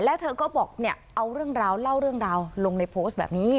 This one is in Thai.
แล้วเธอก็บอกเนี่ยเอาเรื่องราวเล่าเรื่องราวลงในโพสต์แบบนี้